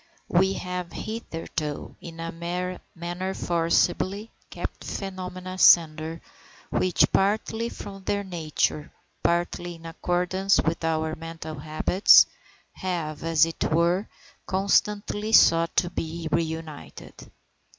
We have hitherto, in a manner forcibly, kept phenomena asunder, which, partly from their nature, partly in accordance with our mental habits, have, as it were, constantly sought to be reunited.